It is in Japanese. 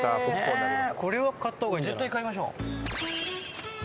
絶対買いましょう。